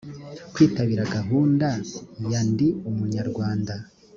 kwitabira gahunda ya ndi umunyarwanda